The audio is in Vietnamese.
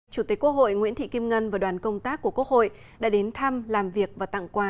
chủ tịch quốc hội nguyễn thị kim ngân và đoàn công tác của quốc hội đã đến thăm làm việc và tặng quà